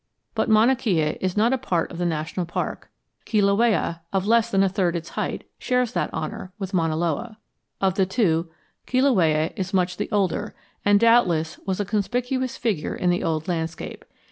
But Mauna Kea is not a part of the national park; Kilauea, of less than a third its height, shares that honor with Mauna Loa. Of the two, Kilauea is much the older, and doubtless was a conspicuous figure in the old landscape.